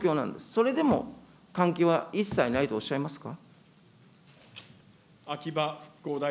それでも関係は一切ないとおっしゃいますか。